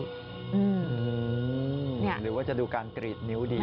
หรือว่าจะดูการกรีดนิ้วดี